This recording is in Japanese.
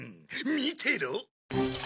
見てろ。